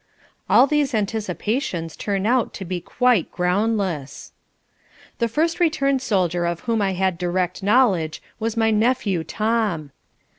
All these anticipations turn out to be quite groundless. The first returned soldier of whom I had direct knowledge was my nephew Tom.